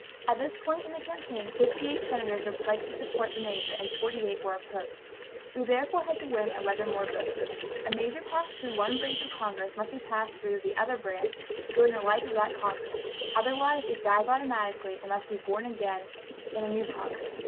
At this point in the campaign, 58 senators were pledged to support the measure and 48 were opposed. We therefore had to win 11 more votes. A measure passed through one branch of Congress must be passed through the other branch during the life of that Congress, otherwise it dies automatically and must be born again in a new Congress.